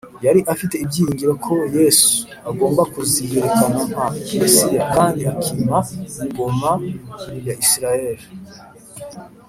. Yari afite ibyiringiro ko [Yesu] agomba kuziyerekana nka Mesiya, kandi akima ingoma ya Isiraheli.